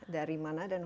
dari mana dan khususnya